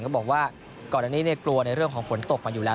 ก็บอกว่าก่อนอันนี้กลัวในเรื่องของฝนตกมาอยู่แล้ว